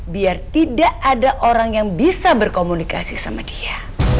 biar tidak ada orang yang bisa berkomunikasi sama dia